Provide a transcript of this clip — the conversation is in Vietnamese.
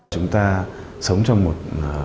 chúng ta sống trong một